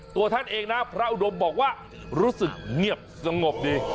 ตัวท่านเองนะพระอุดมบอกว่ารู้สึกเงียบสงบดี